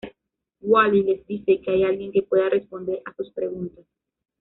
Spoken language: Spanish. Wally les dice que hay alguien que pueda responder a sus preguntas.